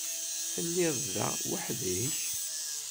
Telliḍ da weḥd-k?